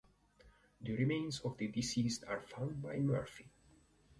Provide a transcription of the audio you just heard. The remains of the deceased are found by Murphy.